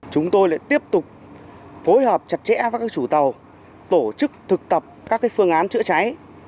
chúng tôi lại tiếp tục phối hợp chặt chẽ với các chủ tàu tổ chức thực tập các phương án chữa cháy